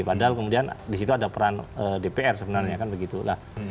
padahal kemudian di situ ada peran dpr sebenarnya kan begitu lah